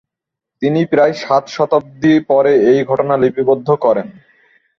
তিনি প্রায় সাত শতাব্দী পরে এই ঘটনা লিপিবদ্ধ করেন।